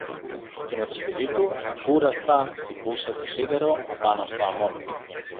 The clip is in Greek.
Και με το σφυρί του, ακούραστα χτυπούσε το σίδερο απάνω στο αμόνι.